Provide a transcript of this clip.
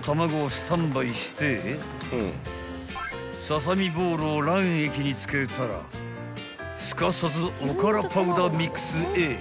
［ささみボールを卵液につけたらすかさずおからパウダーミックスへ］